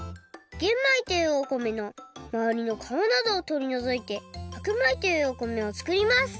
玄米というお米のまわりの皮などをとりのぞいて白米というお米をつくります。